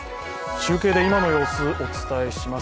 中継で今の様子、お伝えします。